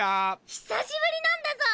久しぶりなんだゾ！